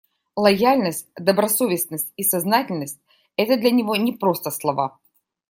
Лояльность, добросовестность и сознательность — это для него не просто слова.